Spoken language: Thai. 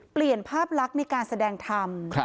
เปลี่ยนภาพลักษณ์ในการแสดงธรรม